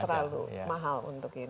kenapa karena memang terlalu mahal untuk ini